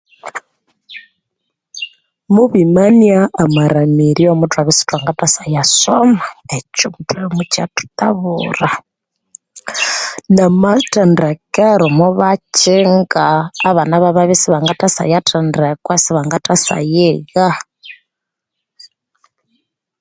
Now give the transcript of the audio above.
Mubimanya amaramiryo muthwabya isithwangathasya yasoma, ekyo ke mukyathutabura, aaha na amathendekero mubaktinga abana bamabya isibangathasyayathendekwa , isibanga thasyayigha